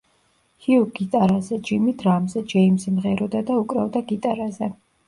ჰიუ გიტარაზე, ჯიმი დრამზე, ჯეიმზი მღეროდა და უკრავდა გიტარაზე.